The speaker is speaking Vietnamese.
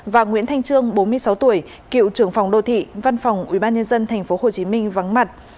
và nguyễn thanh trương bốn mươi sáu tuổi cựu trưởng phòng đô thị văn phòng ubnd tp hcm vắng mặt